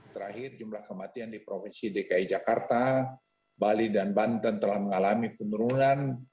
terakhir jumlah kematian di provinsi dki jakarta bali dan banten telah mengalami penurunan